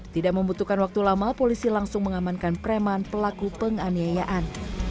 tidak membutuhkan waktu lama polisi langsung mengamankan preman pelaku penganiayaan